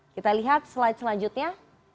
kita lihat slide selanjutnya